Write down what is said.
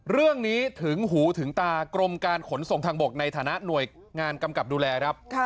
เรื่องนี้ถึงหูถึงตากรมการขนส่งทางบกในฐานะหน่วยงานกำกับดูแลครับ